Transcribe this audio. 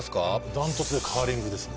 ダントツでカーリングですね